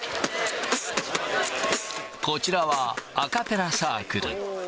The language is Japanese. こちらはアカペラサークル。